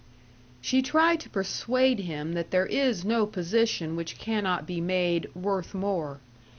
She tried to persuade him that there is no position which cannot be made "worth more."